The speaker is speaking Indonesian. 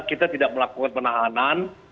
kita tidak melakukan penahanan